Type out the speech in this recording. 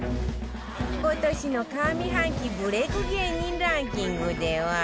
今年の上半期ブレイク芸人ランキングでは